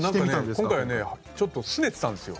今回ねちょっとすねてたんですよ。